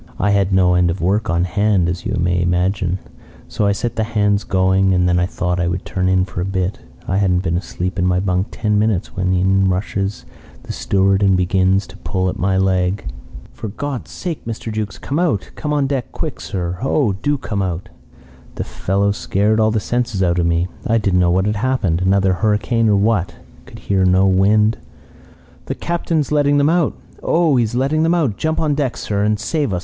"I had no end of work on hand, as you may imagine, so I set the hands going, and then I thought I would turn in a bit. I hadn't been asleep in my bunk ten minutes when in rushes the steward and begins to pull at my leg. "'For God's sake, Mr. Jukes, come out! Come on deck quick, sir. Oh, do come out!' "The fellow scared all the sense out of me. I didn't know what had happened: another hurricane or what. Could hear no wind. "'The Captain's letting them out. Oh, he is letting them out! Jump on deck, sir, and save us.